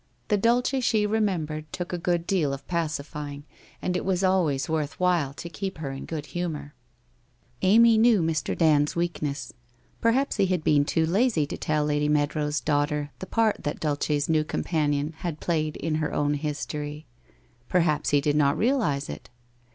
The Dulce she remembered took a good deal of pacifying, and it was always worth while to keep her in a good humour. Amy knew Mr. Dand's weakness. Perhaps lie had been too lazy to tell Lady Meadrow's daughter the part that Dulce's new companion had played in her own history? Perhaps he did not realize it?